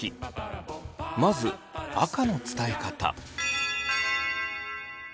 まず赤の伝え方。